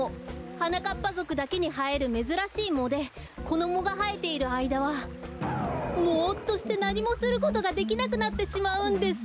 はなかっぱぞくだけにはえるめずらしいもでこのもがはえているあいだはもっとしてなにもすることができなくなってしまうんです！